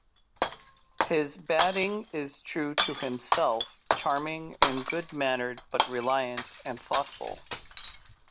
His batting is true to himself, charming and good mannered but reliant and thoughtful.